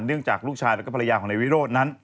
เนื่องจากลูกชายและก็ภรรยาของนายวิโรธนั้น